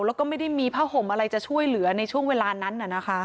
แล้วก็ไม่ได้มีผ้าห่มอะไรจะช่วยเหลือในช่วงเวลานั้น